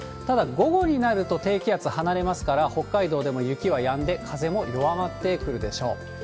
ただ、午後になると低気圧離れますから、北海道でも雪はやんで、風も弱まってくるでしょう。